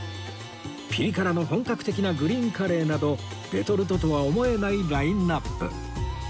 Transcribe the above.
ピリ辛の本格的なグリーンカレーなどレトルトとは思えないラインアップ